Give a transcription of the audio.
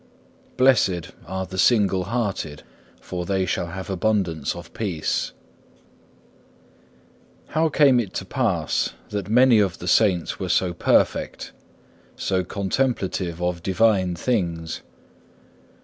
Blessed are the single hearted, for they shall have abundance of peace. 2. How came it to pass that many of the Saints were so perfect, so contemplative of Divine things?